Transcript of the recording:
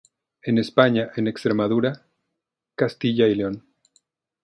En España en Extremadura, Castilla y León.